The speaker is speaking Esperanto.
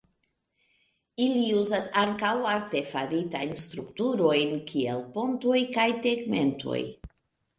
Ili uzas ankaŭ artefaritajn strukturojn kiel pontoj kaj tegmentoj.